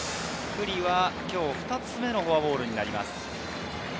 九里は今日２つ目のフォアボールになります。